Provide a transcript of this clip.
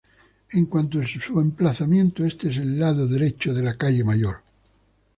En cuanto a su emplazamiento, este es el lado derecho de la calle mayor.